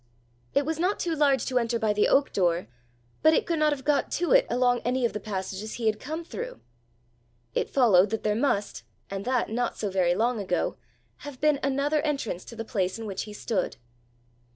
It was not too large to enter by the oak door, but it could not have got to it along any of the passages he had come through! It followed that there must, and that not so very long ago, have been another entrance to the place in which he stood!